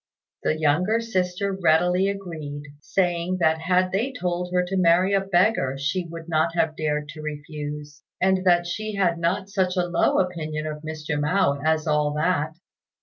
The younger sister readily agreed, saying that had they told her to marry a beggar she would not have dared to refuse, and that she had not such a low opinion of Mr. Mao as all that.